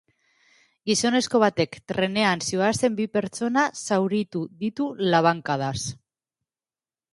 Gizonezko batek trenean zihoazen bi pertsona zauritu ditu labankadaz.